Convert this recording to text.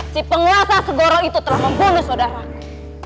si penguasa kegoro itu telah membunuh saudaraku